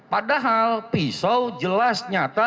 padahal pisau jelas nyata